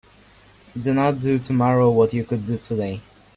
Do not do tomorrow what you could do today.